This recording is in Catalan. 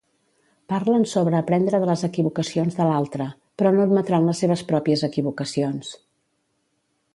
Parlen sobre aprendre de les equivocacions de l'altre, però no admetran les seves pròpies equivocacions.